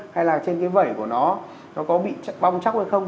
hay là trên cái vẩy của nó nó có bị bong chóc hay không